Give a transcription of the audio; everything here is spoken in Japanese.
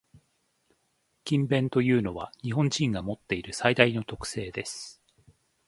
「勤勉」というのは、日本人が持っている最大の特性です。